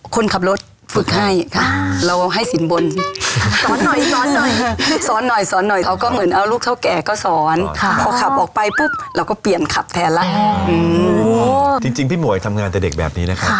คนขับรถฟึกให้เราเอาให้สินบน